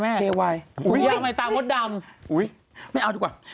ไม่เอาดีกว่า